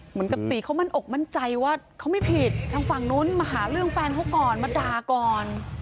เหมือนกับตีเขามั่นอกมั่นใจว่าเขาไม่ผิดทางฝั่งนู้นมาหาเรื่องแฟนเขาก่อนมาด่าก่อน